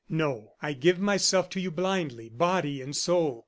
No, I give myself to you blindly, body and soul.